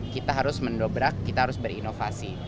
kita harus mendobrak kita harus berinovasi